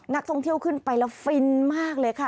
นักท่องเที่ยวขึ้นไปแล้วฟินมากเลยค่ะ